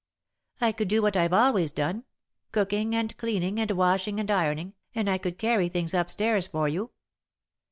"I could do what I've always done cooking and cleaning and washing and ironing, and I could carry things up stairs for you."